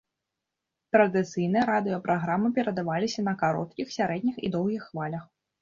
Традыцыйна радыёпраграмы перадаваліся на кароткіх, сярэдніх і доўгіх хвалях.